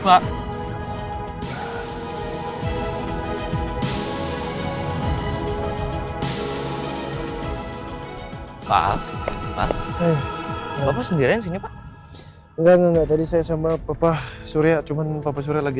pak pak pak sendiri enggak enggak tadi saya sama papa surya cuman papa surya lagi